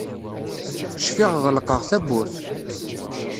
Cfiɣ ɣelqeɣ tawwurt.